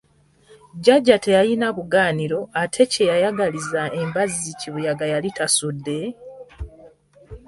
Jjajja teyalina bugaaniro ate kye yayagaliza embazzi kibuyaga yali tasudde?